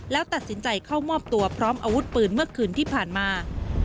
แล้วตัดสินใจเข้ามอบตัวพร้อมอาวุธปืนเมื่อคืนที่ผ่านมา